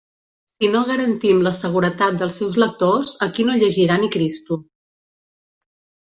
Si no garantim la seguretat dels seus lectors, aquí no llegirà ni Cristo.